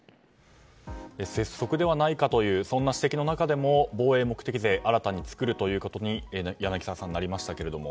拙速ではないかという指摘の中でも防衛目的税、新たに作ることに柳澤さん、なりましたけれども。